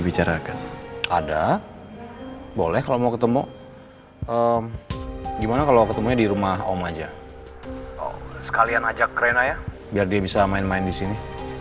biar dia bisa main main disini